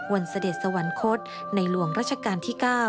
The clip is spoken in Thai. เสด็จสวรรคตในหลวงรัชกาลที่๙